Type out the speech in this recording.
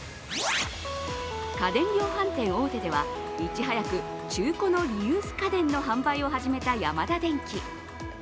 家電量販店大手では、いち早く、中古のリユース家電の販売を始めたヤマダデンキ。